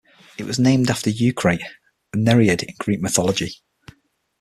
It was named after Eukrate, a Nereid in Greek mythology.